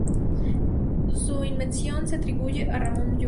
Su invención se atribuye a Ramon Llull.